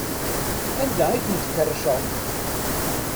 Anda ay tent-tkerrceḍ?